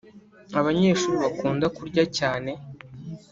abanyeshuri bakunda kurya cyane